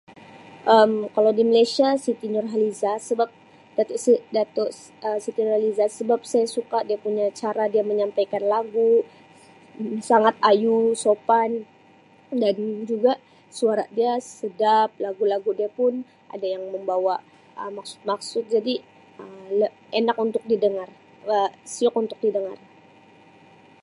Um Kalau di Malaysia Siti Nurhalizah sebab Dato' Sri Dato' Siti Nurhalizah sebab saya suka dia punya cara dia menyampaikan lagu sangat ayu, sopan dan juga suara dia sedap lagu-lagu dia pun ada yang membawa Um maksud-maksud Um jadi le enak untuk didengar Um siuk untuk didengar.